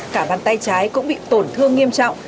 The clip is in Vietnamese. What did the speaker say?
cả bàn tay trái cũng bị tổn thương nghiêm trọng